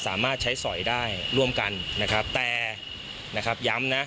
สามารถใช้สอยได้ร่วมกันนะครับแต่นะครับย้ำนะ